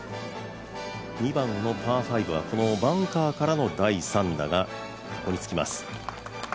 ２番のパー５はバンカーからの第３打がここにつきます。